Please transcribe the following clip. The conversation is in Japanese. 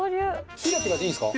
ピラピラでいいんですか？